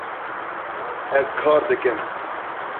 Ez bar dikim.